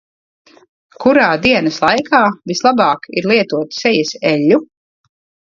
Kurā dienas laikā vislabāk ir lietot sejas eļļu?